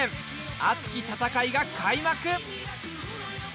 熱き戦いが開幕！